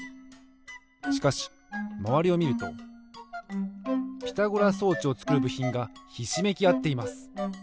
しかしまわりをみるとピタゴラ装置をつくるぶひんがひしめきあっています。